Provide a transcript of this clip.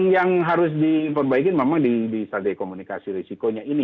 yang harus diperbaiki memang di sasari komunikasi risikonya ini